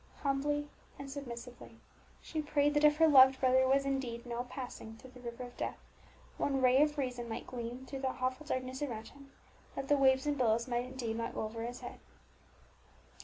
Humbly and submissively she prayed that if her loved brother were indeed now passing through the river of death, one ray of reason might gleam through the awful darkness around him, and that the waves and billows might indeed not go over his head.